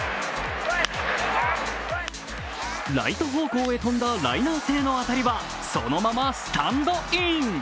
ライト方向へ飛んだライナー性の当たりはそのままスタンドイン！